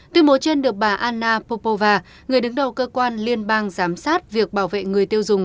tuyên bố trên được bà anna popova người đứng đầu cơ quan liên bang giám sát việc bảo vệ người tiêu dùng